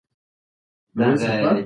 انټرنیټ د سوداګرۍ لپاره هم کارول کیږي.